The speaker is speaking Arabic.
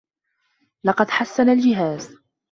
لقد حسّن الجهاز.